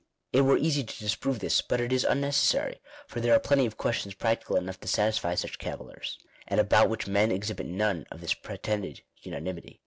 It were easy to disprove this, but it is unnecessary, for there are plenty of questions practical enough to satisfy such cavillers, and about which men exhibit none of this pretended unanimity.